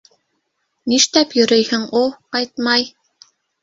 Ништәп йөрөйһөң у, ҡайтмай?!